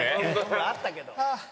あったけど。